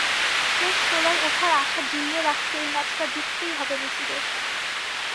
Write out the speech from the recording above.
শেষ ষোলোয় ওঠার আশা জিইয়ে রাখতে এ ম্যাচটা জিততেই হবে মেসিদের।